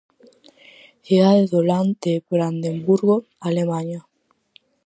Cidade do land de Brandenburgo, Alemaña.